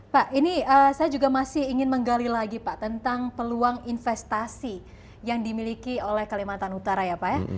pak ini saya juga masih ingin menggali lagi pak tentang peluang investasi yang dimiliki oleh kalimantan utara ya pak ya